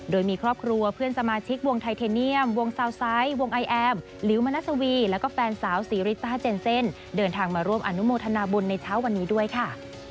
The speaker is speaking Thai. โดยมีครอบครัวเพื่อนสมาชิกวงไทเทเนียมวงซาวไซส์วงไอแอมลิวมนัสวีแล้วก็แฟนสาวศรีริต้าเจนเซ่นเดินทางมาร่วมอนุโมทนาบุญในเช้าวันนี้ด้วยค่ะ